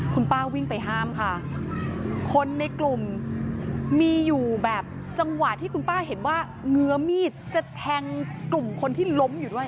คุณป้าวิ่งไปห้ามค่ะคนในกลุ่มมีอยู่แบบจังหวะที่คุณป้าเห็นว่าเงื้อมีดจะแทงกลุ่มคนที่ล้มอยู่ด้วย